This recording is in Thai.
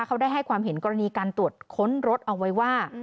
เขาได้ให้ความเห็นกรณีการตรวจค้นรถเอาไว้ว่า